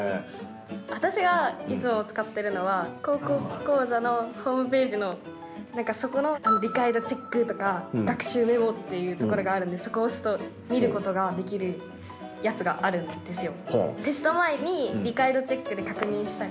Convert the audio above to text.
私がいつも使ってるのは「高校講座」のホームページの何かそこの理解度チェックとか学習メモっていうところがあるんでそこを押すと見ることができるやつがあるんですよ。